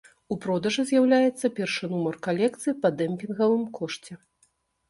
У продажы з'яўляецца першы нумар калекцыі па дэмпінгавым кошце.